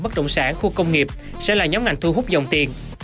bất động sản khu công nghiệp sẽ là nhóm ngành thu hút dòng tiền